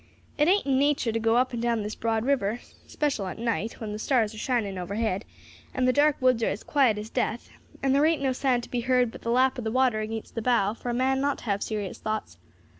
It ain't in nature to go up and down this broad river, special at night, when the stars are shining overhead, and the dark woods are as quiet as death, and there ain't no sound to be heard but the lap of the water against the bow for a man not to have serious thoughts.